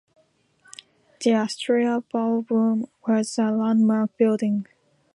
The Astoria Ballroom was a landmark building.